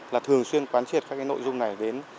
là thường xuyên quan triệt các nội dung này đến